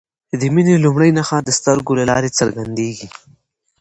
د مینې لومړۍ نښه د سترګو له لارې څرګندیږي.